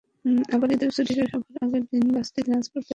আবার ঈদের ছুটি শেষ হওয়ার আগের দিন বাসটি দিনাজপুর থেকে ঢাকায় আসবে।